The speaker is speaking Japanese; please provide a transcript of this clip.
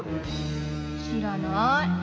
知らなぁい。